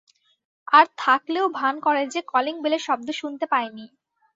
আর থাকলেও ভান করে যে, কলিং বেলের শব্দ শুনতে পায় নি।